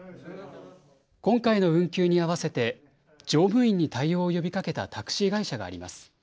今回の運休に合わせて乗務員に対応を呼びかけたタクシー会社があります。